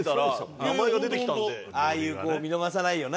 ああいう子を見逃さないよな。